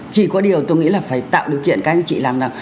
chỉ có điều tôi nghĩ là phải tạo điều kiện các anh chị làm là